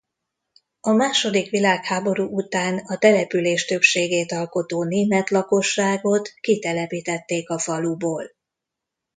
A második világháború után a település többségét alkotó német lakosságot kitelepítették a faluból.